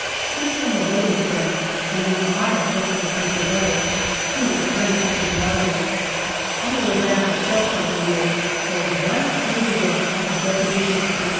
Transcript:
It is from a lady friend, from whom I have just received a letter, to a friend of McArthur's. On the way back a shell comes near ; goes right through the roof of D.A.Q.M.